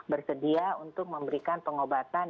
bersedia untuk memberikan pengobatan